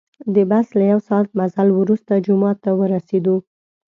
د بس له یو ساعت مزل وروسته جومات ته ورسیدو.